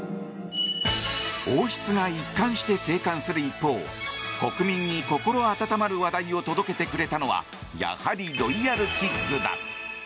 王室が一貫して静観する一方国民に心温まる話題を届けてくれたのはやはり、ロイヤルキッズだ。